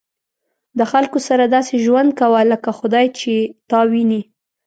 د خلکو سره داسې ژوند کوه لکه خدای چې تا ویني.